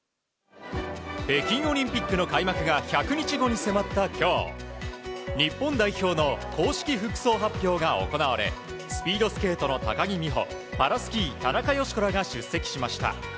北京オリンピックの開幕が１００日後に迫った今日日本代表の公式服装発表が行われスピードスケートの高木美帆パラスキー田中佳子らが出席しました。